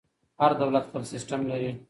هر دولت خپل سیسټم لري.